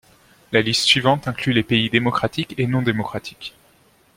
La liste suivante inclut les pays démocratiques et non démocratiques.